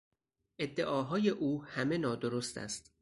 ادعاهای او همه نادرست است.